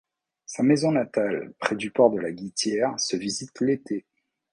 Sa maison natale, près du port de la Guittière, se visite l'été.